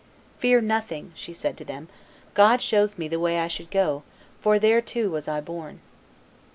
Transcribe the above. "Fear nothing," she said to them; "God shows me the way I should go; for thereto was I born."